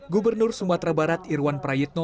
gubernur sumatera barat irwan prayitno